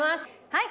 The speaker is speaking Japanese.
はい。